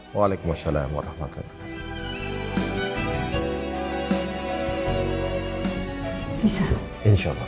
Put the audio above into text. waalaikumsalam warahmatullahi wabarakatuh